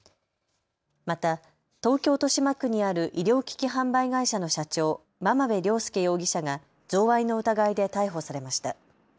また東京豊島区にある医療機器販売会社の社長、真々部良輔容疑者が贈賄の疑いで逮捕されました。